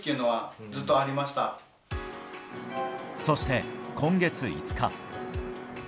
そして、今月５日。